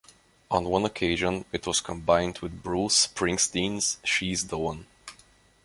On one occasion, it was combined with Bruce Springsteen's She's the One.